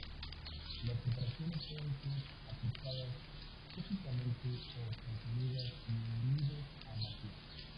Las preparaciones pueden ser aplicadas tópicamente, o consumidas y unidos a magia.